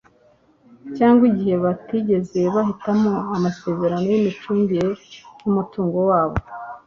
cyangwa igihe batigeze bahitamo amasezerano y'imicungire y'umutungo wabo